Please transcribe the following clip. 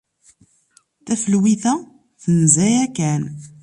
Tafelwit-a tenza yakan.